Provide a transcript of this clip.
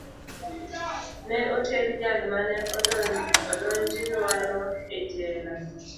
Ne oter jal ma ne odonjnwano e jela.